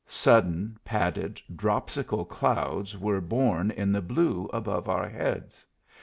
Sudden, padded, dropsical clouds were born in the blue above our heads.